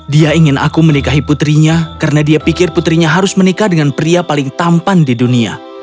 dia ingin aku menikahi putrinya karena dia pikir putrinya harus menikah dengan pria paling tampan di dunia